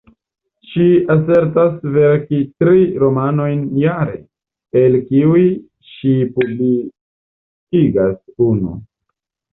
Ŝi asertas verki tri romanojn jare, el kiuj ŝi publikigas unu.